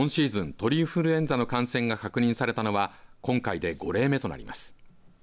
鳥インフルエンザの感染が確認されたのは今回で５例目となります。